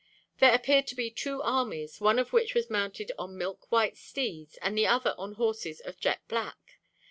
There appeared to be two armies, one of which was mounted on milk white steeds, and the other on horses of jet black.